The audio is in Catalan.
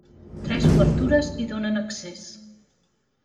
Tres obertures hi donen accés.